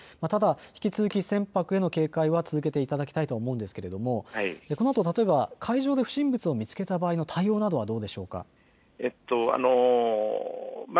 引き続き船舶への警戒は続けていただきたいと思いますがこのあと、例えば海上で不審物を見つけた場合の対応はどうでしょうか。